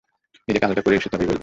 নিজেকে হালকা করে এসে তবেই বলব।